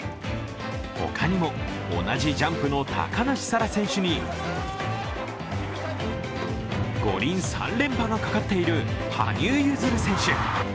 ほかにも同じジャンプの高梨沙羅選手に五輪３連覇がかかっている羽生結弦選手。